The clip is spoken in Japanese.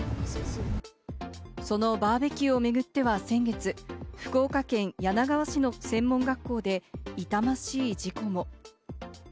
そのバーベキューを巡っては先月、福岡県柳川市の専門学校で痛ましい事故も。